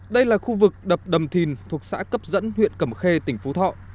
đây là khu vực đập đầm thìn thuộc xã cấp dẫn huyện cẩm khê tỉnh phú thọ